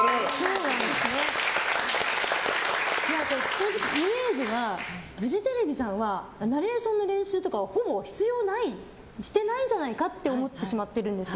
正直、イメージはフジテレビさんはナレーションの練習とかほぼ必要ないしてないんじゃないかって思ってしまってるんです。